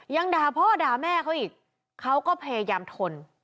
ด่าพ่อด่าแม่เขาอีกเขาก็พยายามทน